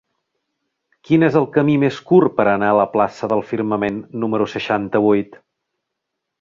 Quin és el camí més curt per anar a la plaça del Firmament número seixanta-vuit?